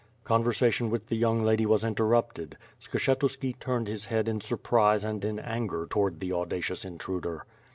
Conversation with the young lady w as interrupted. Skshe tuski turned his head in surprise and in anger toward the audacious intruder.